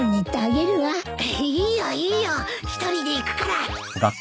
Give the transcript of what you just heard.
いいよいいよ１人で行くから。